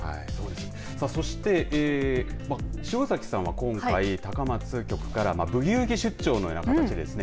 そして塩崎さんは今回高松局からブギウギ出張のような形でですね